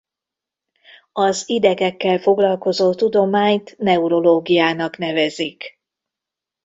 Az idegekkel foglalkozó tudományt neurológiának nevezik.